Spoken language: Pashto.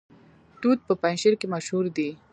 توت په پنجشیر کې مشهور دي